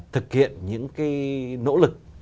thực hiện những cái nỗ lực